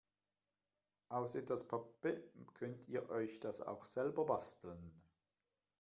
Aus etwas Pappe könnt ihr euch das auch selber basteln.